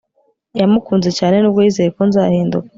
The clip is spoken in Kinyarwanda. yamukunze cyane. nubwo yizeye ko nzahinduka